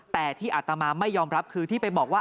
แต่ที่อัตมาไม่ยอมรับคือที่ไปบอกว่า